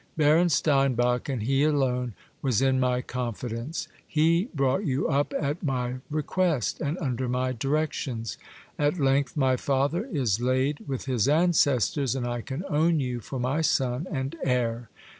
Baron Steinbach, and he alone, was in my confidence : he brought you up at my request, and under my directions. At length my father is laid with his ancestors, and I can own you for my son and heir.